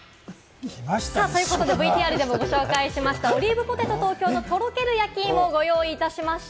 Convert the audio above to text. ということで、ＶＴＲでもご紹介しました、オリーブポテトトーキョーのとろける焼き芋をご用意いたしました。